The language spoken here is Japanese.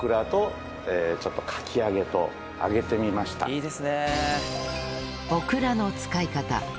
いいですね！